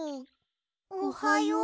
おはよう。